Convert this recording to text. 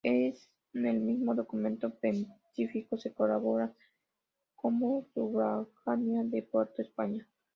En el mismo documento pontificio se colocaba como sufragánea de Puerto España.